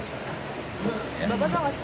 bisa untuk masak